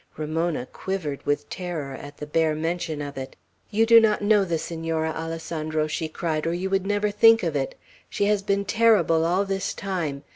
Ramona quivered with terror at the bare mention of it. "You do not know the Senora, Alessandro," she cried, "or you would never think of it. She has been terrible all this time.